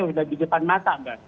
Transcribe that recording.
sudah di depan mata